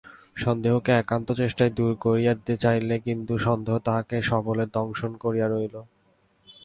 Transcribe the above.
সন্দেহকে একান্ত চেষ্টায় দূর করিয়া দিতে চাহিল কিন্তু সন্দেহ তাহাকে সবলে দংশন করিয়া রহিল।